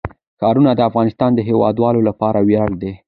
ښارونه د افغانستان د هیوادوالو لپاره ویاړ دی.